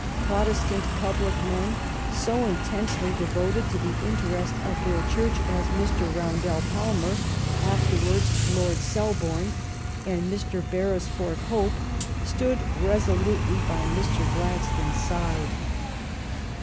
Protestant public men so intensely devoted to the interest of their Church as Mr. Roundell Palmer, afterwards Lord Selborne, and Mr. Beresford Hope, stood resolutely by Mr. Gladstone's side.